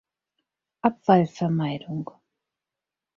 Abfallvermeidung.